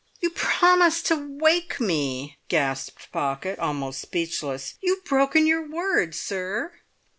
"You promised to wake me!" gasped Pocket, almost speechless. "You've broken your word, sir!"